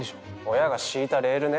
親が敷いたレールね。